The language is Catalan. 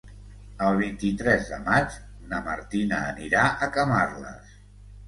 El vint-i-tres de maig na Martina anirà a Camarles.